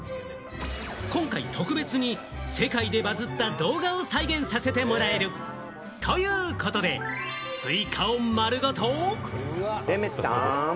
今回、特別に世界でバズった動画を再現させてもらえるということで、スイカを丸ごと。